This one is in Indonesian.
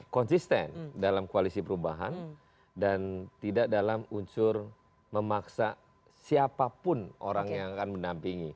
konsisten dalam koalisi perubahan dan tidak dalam unsur memaksa siapapun orang yang akan mendampingi